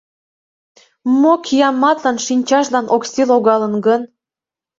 Мо кияматлан шинчажлан Окси логалын гын?!